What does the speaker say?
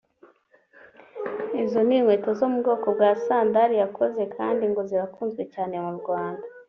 Izo ni inkweto zo mu bwoko bwa sandali yakoze kandi ngo zirakunzwe cyane mu Rwanda